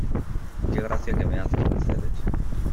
¡Qué gracia que me haces Mercedes!